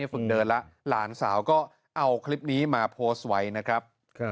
เพิ่งเดินแล้วหลานสาวก็เอาคลิปนี้มาโพสต์ไว้นะครับ